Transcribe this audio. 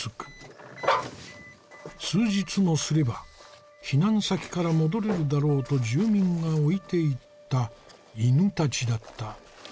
数日もすれば避難先から戻れるだろうと住民が置いていった犬たちだった。